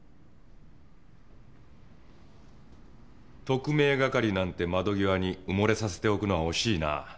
特命係なんて窓際に埋もれさせておくのは惜しいな。